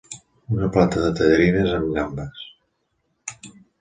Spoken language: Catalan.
Una plata de tallarines amb gambes.